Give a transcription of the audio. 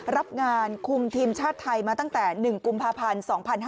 รับงานคุมทีมชาติไทยมาตั้งแต่๑กุมภาพันธ์๒๕๕๙